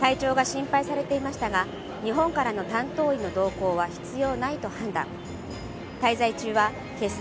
体調が心配されていましたが、日本からの担当医の動向は必要ないと判断。